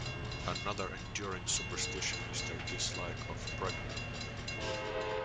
Another enduring superstition is their dislike of pregnant women.